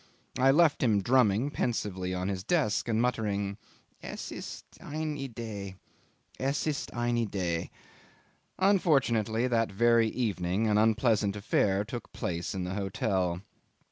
I left him drumming pensively on his desk and muttering, "Es ist ein' Idee. Es ist ein' Idee." Unfortunately, that very evening an unpleasant affair took place in the hotel.